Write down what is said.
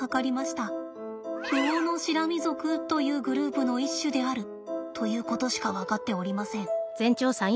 ウオノシラミ属というグループの一種であるということしか分かっておりません。